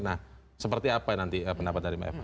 nah seperti apa nanti pendapat dari mbak eva